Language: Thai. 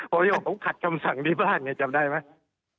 ผมคำสั่งที่บ้านไงจำได้ไหม